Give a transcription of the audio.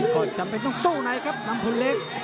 ก็จำเป็นต้องสู้ในครับนำพลเล็ก